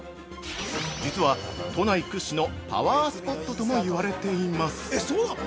実は、都内屈指のパワースポットとも言われています。